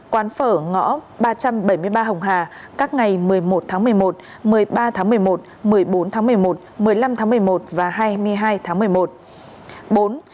quán phở ngõ ba trăm bảy mươi ba hồng hà các ngày một mươi một tháng một mươi một một mươi ba tháng một mươi một một mươi bốn tháng một mươi một một mươi năm tháng một mươi một và hai mươi hai tháng một mươi một